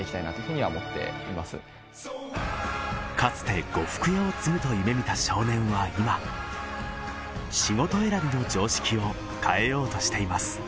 かつて呉服屋を継ぐと夢見た少年は今仕事選びの常識を変えようとしています